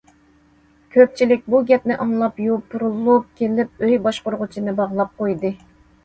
كۆپچىلىك بۇ گەپنى ئاڭلاپ يوپۇرۇلۇپ كېلىپ، ئۆي باشقۇرغۇچىنى باغلاپ قويدى.